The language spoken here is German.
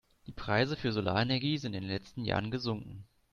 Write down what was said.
Die Preise für Solarenergie sind in den letzten Jahren gesunken.